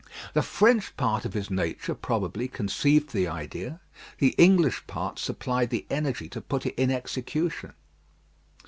The French part of his nature, probably, conceived the idea; the English part supplied the energy to put it in execution.